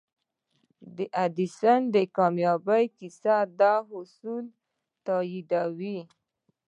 د ايډېسن د کاميابۍ کيسه دا اصول تاييدوي.